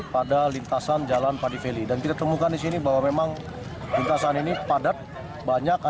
pada lima sepeda motor